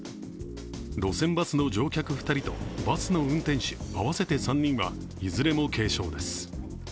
路線バスの乗客２人とバスの運転手合わせて３人はいずれも軽傷です。